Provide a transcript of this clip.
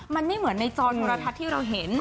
มันไม่เหมือนในจอโทรทัศน์ที่เราเห็น